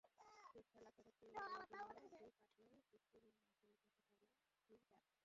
পিচঢালা সড়ক দিয়ে এগোলে দুই পাশে বিস্তীর্ণ মাঠজুড়ে চোখে পড়বে শিম চাষ।